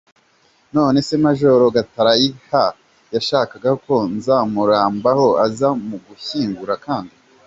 None se Major Gatarayiha yashakaga ko Nzamurambaho aza mu gushyingura kandi.